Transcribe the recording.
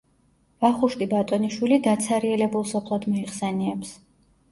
ვახუშტი ბატონიშვილი დაცარიელებულ სოფლად მოიხსენიებს.